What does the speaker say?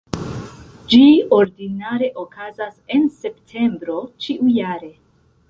Ĝi ordinare okazas en septembro ĉiujare.